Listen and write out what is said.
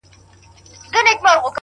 زما په سترگو كي را رسم كړي _